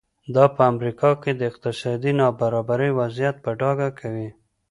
دا په امریکا کې د اقتصادي نابرابرۍ وضعیت په ډاګه کوي.